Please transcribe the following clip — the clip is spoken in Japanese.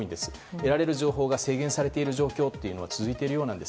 得られる情報が制限されている状況が続いているようです。